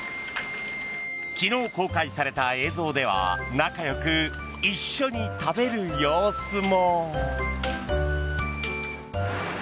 昨日公開された映像では仲よく一緒に食べる様子も。